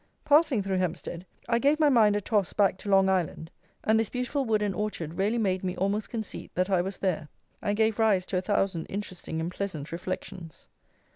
Passing through Hempstead I gave my mind a toss back to Long Island, and this beautiful wood and orchard really made me almost conceit that I was there, and gave rise to a thousand interesting and pleasant reflections.